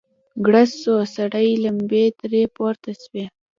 ګړز سو سرې لمبې ترې پورته سوې.